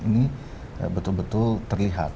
ini betul betul terlihat